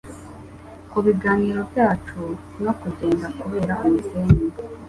kubiganiro byacu no kugenda kubera umusenyi